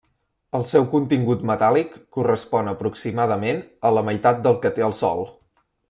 El seu contingut metàl·lic correspon aproximadament a la meitat del que té el Sol.